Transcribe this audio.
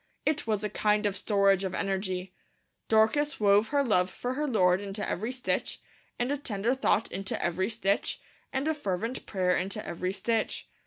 It was a kind of storage of energy. Dorcas wove her love for her Lord into every stitch, and a tender thought into every stitch, and a fervent prayer into every stitch.